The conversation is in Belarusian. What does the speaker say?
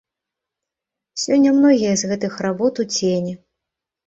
Сёння многія з гэтых работ у цені.